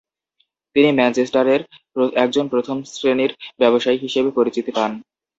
তিনি ম্যানচেস্টারের একজন প্রথম শ্রেণীর ব্যবসায়ী হিসেবে পরিচিতি পান।